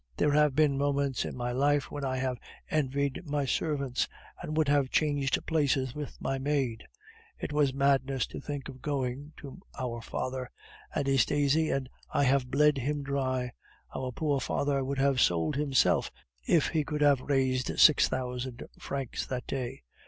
There have been moments in my life when I have envied my servants, and would have changed places with my maid. It was madness to think of going to our father, Anastasie and I have bled him dry; our poor father would have sold himself if he could have raised six thousand francs that way.